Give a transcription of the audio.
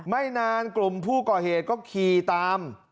ไม่นานกลุ่มผู้ก่อเหตุก็ขี่ตาม